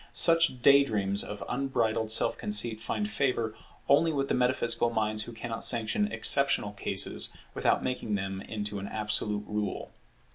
Such day dreams of unbridled self conceit find favour only with the metaphysical minds who cannot sanction exceptional cases without making them into an absolute rule.